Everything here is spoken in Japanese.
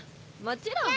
もちろん。